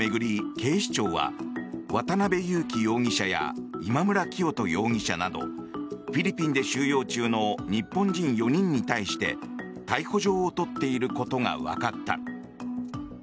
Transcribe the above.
警視庁は渡邉優樹容疑者や今村磨人容疑者などフィリピンで収容中の日本人４人に対して逮捕状を取っていることがわかった。